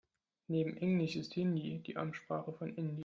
Neben englisch ist Hindi die Amtssprache in Indien.